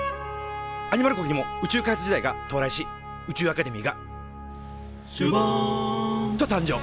アニマル国にも宇宙開発時代が到来し宇宙アカデミーが「シュバン」と誕生。